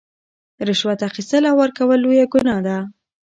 رشوت اخیستل او ورکول لویه ګناه ده.